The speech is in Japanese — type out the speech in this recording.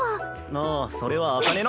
ああそれは紅葉の。